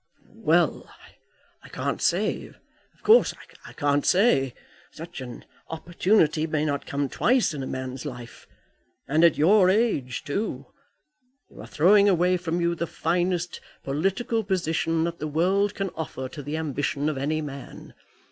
"Well; I can't say. Of course, I can't say. Such an opportunity may not come twice in a man's life. And at your age too! You are throwing away from you the finest political position that the world can offer to the ambition of any man.